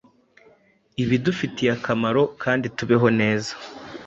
ibidufitiye akamaro kandi tubeho neza.